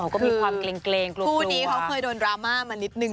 อ๋อก็มีความเกรงกรรมเรกลู๊บครูนี้เค้าเคยโดนดราม่ามานิดนึง